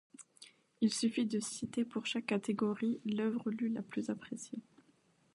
Il suffit de citer pour chaque catégorie, l’œuvre lue la plus appréciée.